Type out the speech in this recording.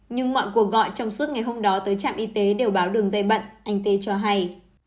nhưng mọi cuộc gọi trong suốt ngày hôm đó tới trạm y tế đều báo đường dây bận anh tê cho hay